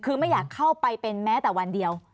คือไม่อยากเข้าไปเป็นแม้แต่วันเดียว